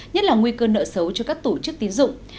nhất là nguy cơ nợ xấu cho các tổ chức tín dụng